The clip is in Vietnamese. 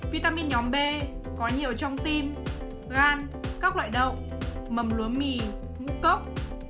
vitamin nhóm b có nhiều trong tim gan các loại đậu mầm lúa mì ngũ cốc